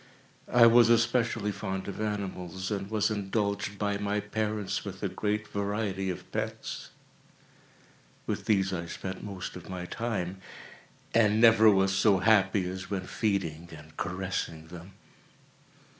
I was especially fond of animals, and was indulged by my parents with a great variety of pets. With these I spent most of my time, and never was so happy as when feeding and caressing them.